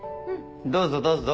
どうぞどうぞ。